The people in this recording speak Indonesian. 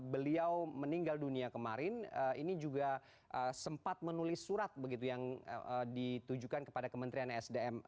beliau meninggal dunia kemarin ini juga sempat menulis surat begitu yang ditujukan kepada kementerian sdm